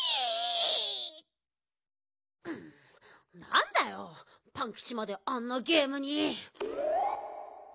なんだよパンキチまであんなゲームに。